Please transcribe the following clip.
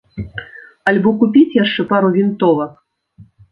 Альбо купіць яшчэ пару вінтовак.